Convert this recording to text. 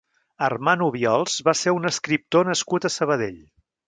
Armand Obiols va ser un escriptor nascut a Sabadell.